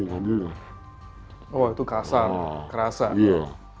oh itu kasar kerasa